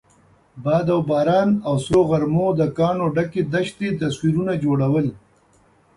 باد او باران او سرو غرمو د کاڼو ډکې دښتې تصویرونه جوړول.